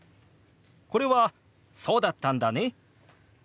これは「そうだったんだね」